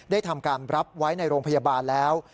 ทำการรับไว้ในโรงพยาบาลแล้ว